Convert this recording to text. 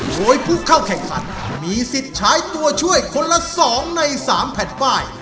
โดยผู้เข้าแข่งขันมีสิทธิ์ใช้ตัวช่วยคนละ๒ใน๓แผ่นป้าย